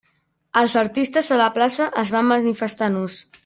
Els artistes de la plaça es van manifestar nus.